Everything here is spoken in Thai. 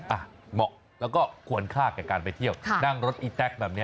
เหมาะแล้วก็ควรค่ากับการไปเที่ยวนั่งรถอีแต๊กแบบนี้